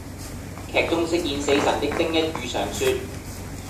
劇中飾演死神的丁一宇常說